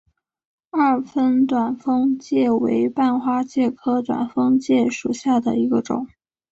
二分短蜂介为半花介科短蜂介属下的一个种。